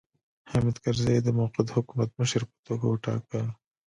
حامد کرزی یې د موقت حکومت مشر په توګه وټاکه.